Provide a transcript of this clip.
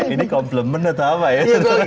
ini complement atau apa ya